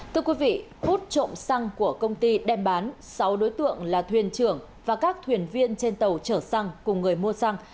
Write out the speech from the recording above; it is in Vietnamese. thưa quý vị hút trộm xăng của công ty đem bán sáu đối tượng là thuyền trưởng và các thuyền viên trên tàu chở xăng cùng người mua xăng